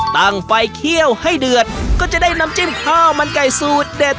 ตั้งไฟเคี่ยวให้เดือดก็จะได้น้ำจิ้มข้าวมันไก่สูตรเด็ด